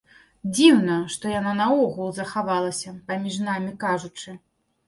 Дзіўна, што яна наогул захавалася, паміж намі кажучы.